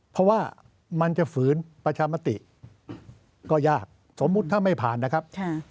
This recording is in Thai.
เพราะว่ามันจะฝืนประชามติก็ยากสมมุติถ้าไม่ผ่านนะครับ